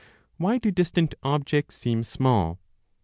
Why do Distant Objects Seem Small?